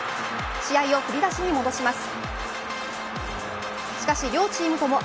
試合を振り出しに戻します。